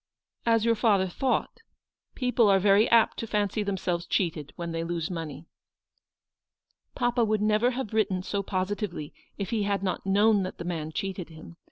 "As your father thought. People are very apt to fancy themselves cheated when they lose money." " Papa would never have written so positively, if he had not known that the man cheated him.